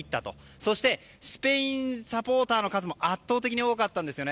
そしてスペインサポーターの数も圧倒的に多かったんですよね。